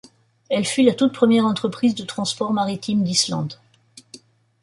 Elle fut la toute première entreprise de transport maritime d'Islande.